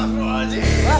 aku rajin pegang